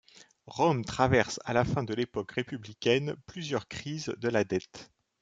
Rome traverse à la fin de l'époque républicaine plusieurs crises de la dette.